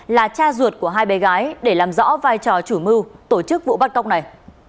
là cha ruột của hai bé gái để làm rõ vai trò chủ mưu tổ chức vụ bắt cóc này